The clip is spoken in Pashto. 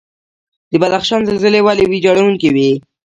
د بدخشان زلزلې ولې ویجاړونکې وي؟